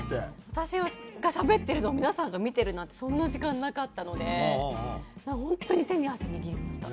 私がしゃべってるのを皆さんが見てるなんてそんな時間なかったのでだから本当に手に汗握りました。